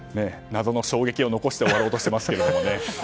謎の衝撃を残して終わろうとしていますけどもね。